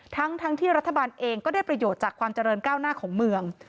ทั้งที่รัฐบาลเองก็ได้ประโยชน์จากความเจริญก้าวหน้าของเมือง